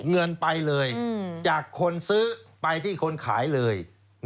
เงินไปเลยจากคนซื้อไปที่คนขายเลย